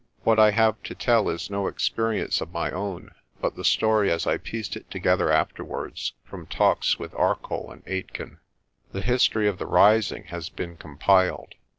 What I have to tell is no experience of my own, but the story as I pieced it together afterwards from talks with Arcoll and Aitken. The history of the Rising has been compiled.